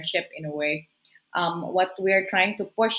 kita bisa mencapai lebih dari tiga tujuan